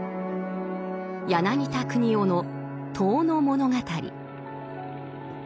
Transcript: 柳田国男の「遠野物語」。